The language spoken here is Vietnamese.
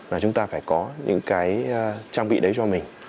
và chúng ta phải có những cái trang bị đấy cho mình